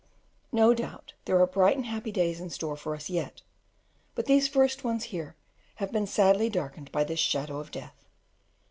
No doubt there are bright and happy days in store for us yet, but these first ones here have been sadly darkened by this shadow of death.